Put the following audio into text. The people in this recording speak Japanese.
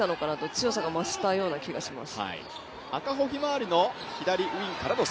強さが増したような気がします。